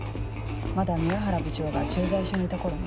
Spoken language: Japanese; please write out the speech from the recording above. まだ宮原部長が駐在所にいた頃ね。